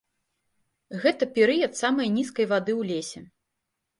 Гэта перыяд самай нізкай вады ў лесе.